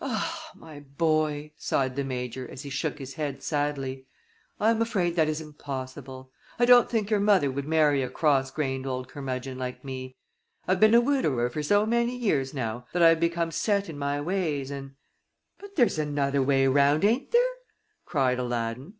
"Ah, my boy," sighed the Major, as he shook his head sadly, "I am afraid that is impossible. I don't think your mother would marry a cross grained old curmudgeon like me. I've been a widower for so many years now that I have become set in my ways, and " "But there's another way round, ain't there?" cried Aladdin.